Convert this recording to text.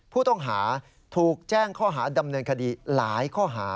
ผู้ต้องหาถูกแจ้งข้อหาดำเนินคดีหลายข้อหา